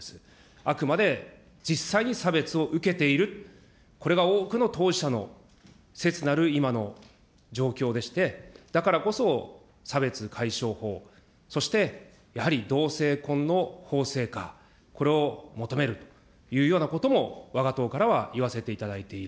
あくまで実際に差別を受けている、これが多くの当事者の切なる今の状況でして、だからこそ、差別解消法、そしてやはり同性婚の法制化、これを求めるというようなこともわが党からは言わせていただいている。